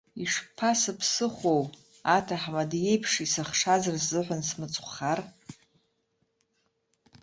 Ишԥасыԥсыхәоу, аҭаҳмада иеиԥш, исыхшаз рзыҳәан смыцхәхар?